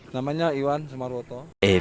namanya iwan sumaruoto